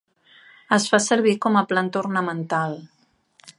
Es fa servir com planta ornamental.